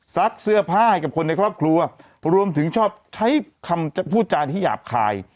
ซักเสื้อผ้าให้กับคนในครอบครัวรวมถึงชอบใช้คำพูดจานที่หยาบคาย